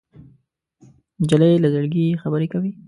نجلۍ له زړګي خبرې کوي.